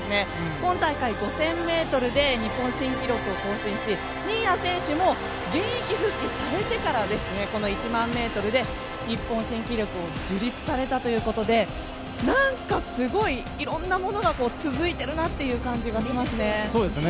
今大会、５０００ｍで日本新記録を更新し新谷選手も、現役復帰されてからこの１００００ｍで日本新記録を樹立されたということで何かすごい、いろんなものが続いているなという感じがしますね。